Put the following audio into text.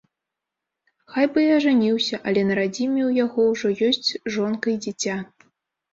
Хай бы і ажаніўся, але на радзіме ў яго ўжо ёсць жонка і дзіця.